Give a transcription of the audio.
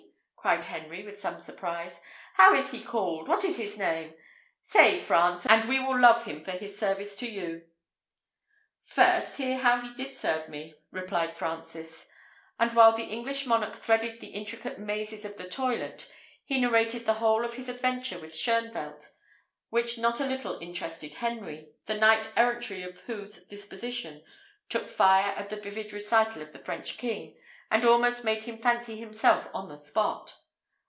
cried Henry, with some surprise. "How is he called? What is his name? Say, France, and we will love him for his service to you." "First, hear how he did serve me," replied Francis; and, while the English monarch threaded the intricate mazes of the toilet, he narrated the whole of his adventure with Shoenvelt, which not a little interested Henry, the knight errantry of whose disposition took fire at the vivid recital of the French king, and almost made him fancy himself on the spot.